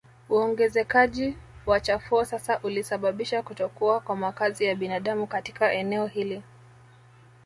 Uongezekaji wa chafuo sasa ulisababisha kutokuwa kwa makazi ya binadamu katika eneo hili